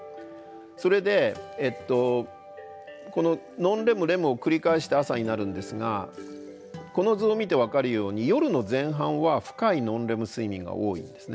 それでこのノンレムレムを繰り返して朝になるんですがこの図を見て分かるように夜の前半は深いノンレム睡眠が多いんですね。